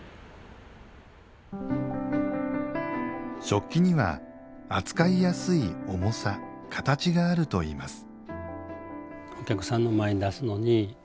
食器には扱いやすい重さ形があると言います。